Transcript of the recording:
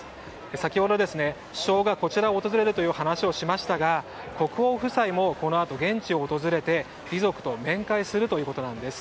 先ほど、首相がこちらに訪れるという話をしましたが国王夫妻もこのあと現地を訪れて、遺族と面会するということです。